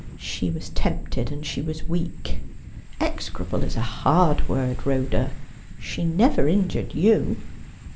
She was tempted ; and she was weak. Execrable is a hard word, Rhoda. She never injured you.'